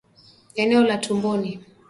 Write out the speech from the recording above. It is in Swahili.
eneo la tumboni